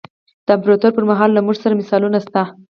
د امپراتورۍ پرمهال له موږ سره مثالونه شته.